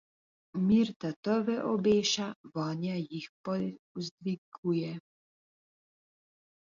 Mir tatove obeša, vojna jih povzdiguje.